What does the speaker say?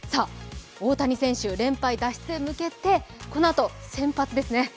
大谷選手、連敗脱出へ向けてこのあと先発ですね。